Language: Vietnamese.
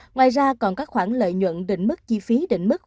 ngoài ra còn các khoản lợi nhuận đỉnh mức chi phí đỉnh mức